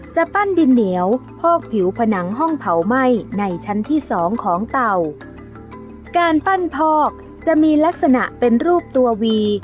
จะปั้นดินเหนียวพอกผิวผนังห้องเผาไหม้ในชั้นที่สองของเต่าการปั้นพอกจะมีลักษณะเป็นรูปตัววี